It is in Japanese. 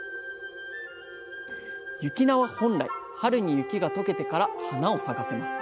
雪菜は本来春に雪がとけてから花を咲かせます。